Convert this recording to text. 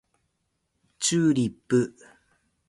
チューリップ